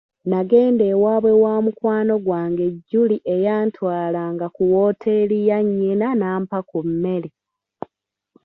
Nagenda ewaabwe wa mukwano gwange Julie eyantwalanga ku wooteeri ya nnyina n'ampa ku mmere.